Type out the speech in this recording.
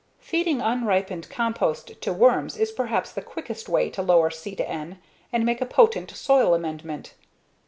Feeding unripened compost to worms is perhaps the quickest way to lower C/N and make a potent soil amendment.